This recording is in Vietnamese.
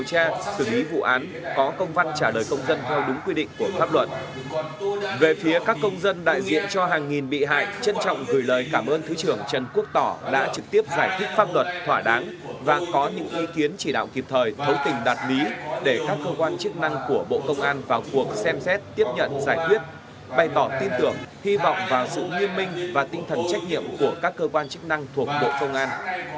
cho hàng nghìn bị hại trân trọng gửi lời cảm ơn thứ trưởng trần quốc tỏ đã trực tiếp giải thích pháp luật thỏa đáng và có những ý kiến chỉ đạo kịp thời thấu tình đạt lý để các cơ quan chức năng của bộ công an vào cuộc xem xét tiếp nhận giải quyết bày tỏ tin tưởng hy vọng vào sự nghiêm minh và tinh thần trách nhiệm của các cơ quan chức năng thuộc bộ công an